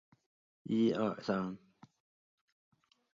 爵波恩君。